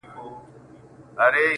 دا دی د مرگ تر دوه ويشتچي دقيقې وځم,